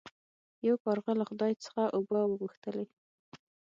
یو کارغه له خدای څخه اوبه وغوښتلې.